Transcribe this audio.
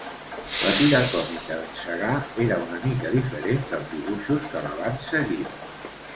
La tira còmica d'en Segar era una mica diferent dels dibuixos que la van seguir.